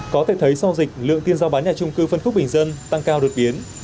có thể thấy sau dịch lượng tiền giao bán nhà trung cư phân khúc bình dân tăng cao đột biến